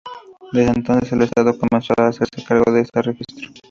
Desde entonces, el Estado comenzó a hacerse cargo de este registro.